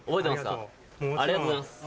ありがとうございます。